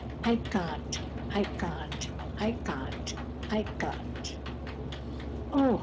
I can't! I can't! I can't! I can't!" Oh!